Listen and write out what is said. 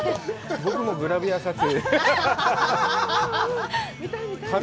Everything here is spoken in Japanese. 僕もグラビア撮影。